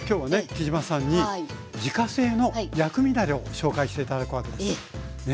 杵島さんに自家製の薬味だれをご紹介して頂くわけです。